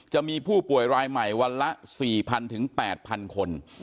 จะมีผู้ป่วยรายใหม่วันละ๔๐๐๘๐๐คน